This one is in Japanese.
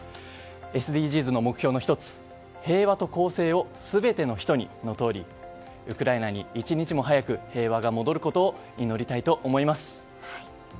ＳＤＧｓの目標の１つ平和と公正をすべての人にのとおりウクライナに一日も早く平和が戻ることを祈りたいと思います。